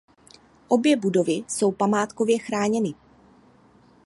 Obě budovy jsou památkově chráněny.